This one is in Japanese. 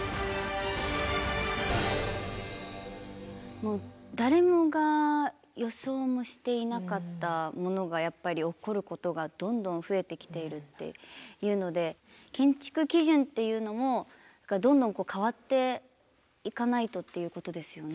もう誰もが予想もしていなかったものがやっぱり起こることがどんどん増えてきているっていうので建築基準っていうのもどんどん変わっていかないとっていうことですよね。